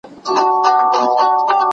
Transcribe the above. ما مخکي د کور کتابونه ترتيب کړي وو.